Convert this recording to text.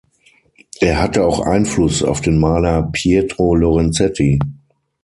Er hatte auch Einfluss auf den Maler Pietro Lorenzetti.